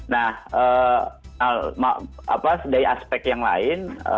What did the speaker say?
nah dari aspek yang lain